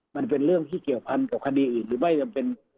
มันเป็นเรื่องที่เกี่ยวพันกับคดีอื่นหรือไม่จำเป็น